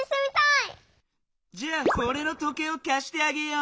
じゃあおれの時計をかしてあげよう。